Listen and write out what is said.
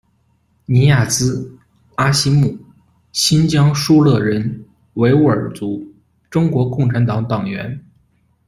尼牙孜・阿西木，新疆疏勒人，维吾尔族，中国共产党党员。